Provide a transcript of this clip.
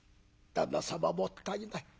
「旦那様もったいない。